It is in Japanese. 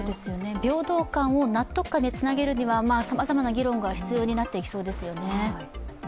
平等感を納得感につなげるにはさまざまな議論が必要になっていきそうですよね。